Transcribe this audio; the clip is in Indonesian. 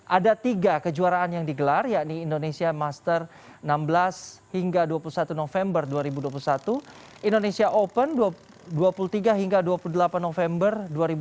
ada tiga kejuaraan yang digelar yakni indonesia master enam belas hingga dua puluh satu november dua ribu dua puluh satu indonesia open dua puluh tiga hingga dua puluh delapan november dua ribu dua puluh